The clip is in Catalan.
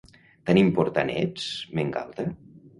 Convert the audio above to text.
Tan important, ets? —m'engalta.